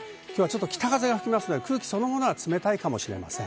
北風が吹きますので空気そのものは冷たいかもしれません。